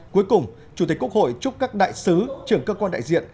cuối cùng chủ tịch quốc hội chúc các đại sứ trưởng cơ quan đại diện